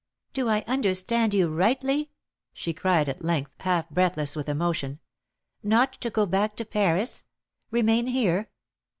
"Do I understand you rightly?" she cried at length, half breathless with emotion. "Not go back to Paris? Remain here?